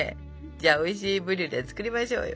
じゃあおいしいブリュレ作りましょうよ。